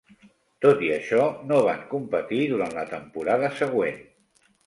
Tot i això, no van competir durant la temporada següent.